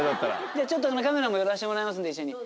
じゃちょっとカメラも寄らしてもらいますんで一緒に。